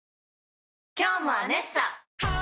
今日も「アネッサ」！